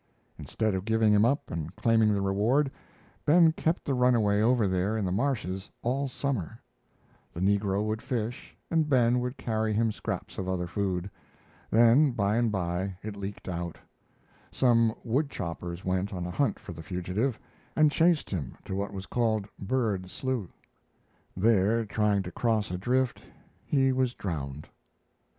Instead of giving him up and claiming the reward, Ben kept the runaway over there in the marshes all summer. The negro would fish and Ben would carry him scraps of other food. Then, by and by, it leaked out. Some wood choppers went on a hunt for the fugitive, and chased him to what was called "Bird Slough." There trying to cross a drift he was drowned.